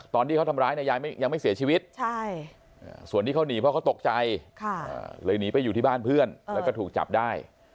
ตอนที่เขาทำร้ายเนี่ยยายยังไม่เสียชีวิตส่วนที่เขาหนีเพราะเขาตกใจเลยหนีไปอยู่ที่บ้านเพื่อนแล้วก็ถูกจับได้